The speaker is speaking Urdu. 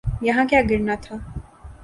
یہاں کیا گرنا تھا؟